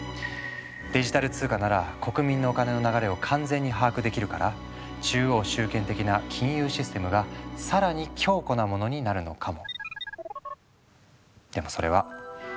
デジタル通貨なら国民のお金の流れを完全に把握できるから中央集権的な金融システムが更に強固なものになるのかも。